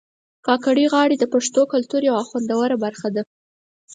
کاکړۍ غاړي د پښتنو کلتور یو خوندوره برخه ده